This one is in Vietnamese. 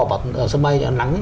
ở sân bay